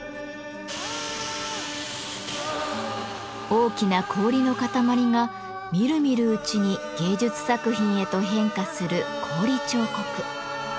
大きな氷の塊がみるみるうちに芸術作品へと変化する氷彫刻。